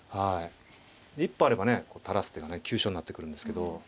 一歩あればねこう垂らす手がね急所になってくるんですけど。